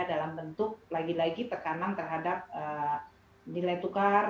dalam bentuk lagi lagi tekanan terhadap nilai tukar